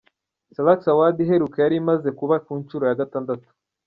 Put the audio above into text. Salax Award iheruka yari imaze kuba ku nshuro ya gatandatu.